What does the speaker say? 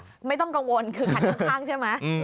ใช่ค่ะไม่ต้องกังวลคือขันข้างใช่ไหม